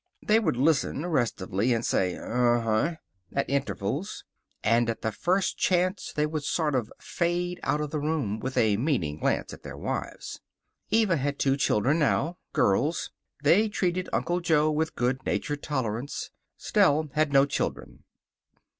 They would listen, restively, and say, "Uh uh," at intervals, and at the first chance they would sort of fade out of the room, with a meaning glance at their wives. Eva had two children now. Girls. They treated Uncle Jo with good natured tolerance. Stell had no children.